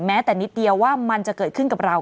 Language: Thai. แม้แต่นิดเดียวว่ามันจะเกิดขึ้นกับเรา